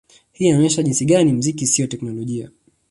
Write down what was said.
Hii inaonyesha ni jinsi gani mziki siyo teknolojia